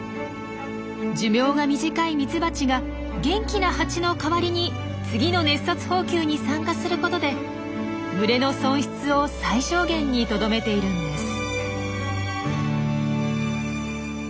寿命が短いミツバチが元気なハチの代わりに次の熱殺蜂球に参加することで群れの損失を最小限にとどめているのです。